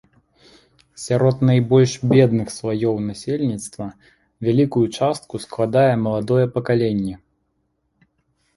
Сярод найбольш бедных слаёў насельніцтва вялікую частку складае маладое пакаленне.